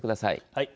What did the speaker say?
はい。